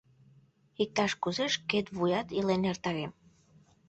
Иктаж-кузе шкет вуят илен эртарем.